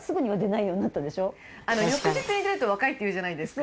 翌日に出ると若いって言うじゃないですか。